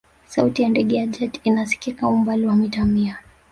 sauti ya ndege ya jet ina sikika umbali wa mita mia